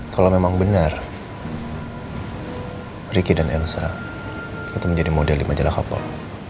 kalau memang benar riki dan elsa itu menjadi model di majalah kapal